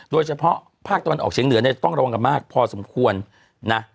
โดยเฉพาะภาคตะวันออกเฉียงเหนือเนี่ยต้องระวังกันมากพอสมควรนะ